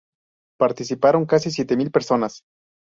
Participaron casi siete mil personas.